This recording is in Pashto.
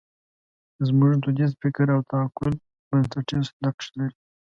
زموږ دودیز فکر او تعقل بنسټیز نقش لري.